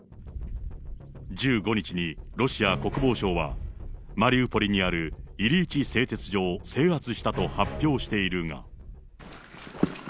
１５日にロシア国防省は、マリウポリにあるイリイチ製鉄所を制圧したと発表しているが。